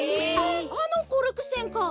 あのコルクせんか。